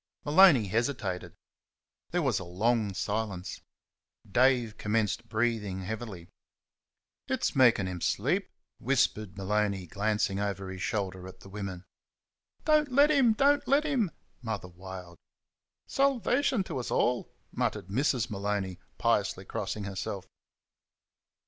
Maloney hesitated. There was a long silence. Dave commenced breathing heavily. "It's maikin' 'm slape," whispered Maloney, glancing over his shoulder at the women. "Don't let him! Don't let him!" Mother wailed. "Salvation to 's all!" muttered Mrs. Maloney, piously crossing herself.